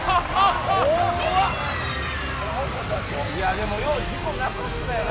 でもよう事故なかったよな